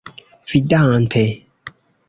vidante